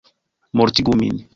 Mortigu min!